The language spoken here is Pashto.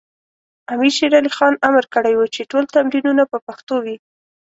امیر شیر علی خان امر کړی و چې ټول تمرینونه په پښتو وي.